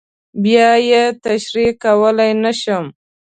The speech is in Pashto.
بیا یې تشریح کولی نه شم.